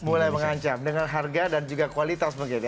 mulai mengancam dengan harga dan juga kualitas mungkin ya